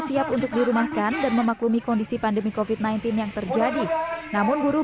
siap untuk dirumahkan dan memaklumi kondisi pandemi kofit sembilan belas yang terjadi namun buruh